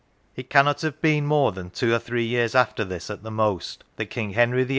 It cannot have been more than two or three years after this, at the most, that King Henry VIII.